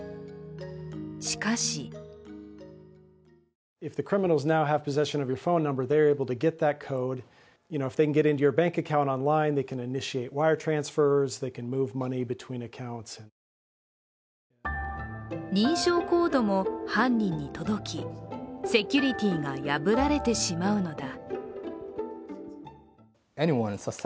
しかし認証コードも犯人に届き、セキュリティーが破られてしまうのだ。